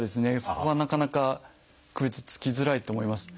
そこはなかなか区別つきづらいと思います。